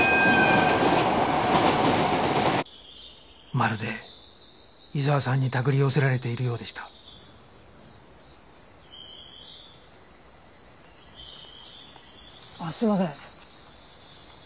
まるで伊沢さんに手繰り寄せられているようでしたあっすいません。